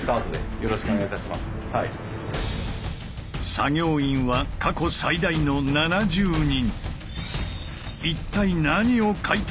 作業員は過去最大の７０人。